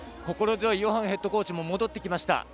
心強いヨハンヘッドコーチも戻ってきました。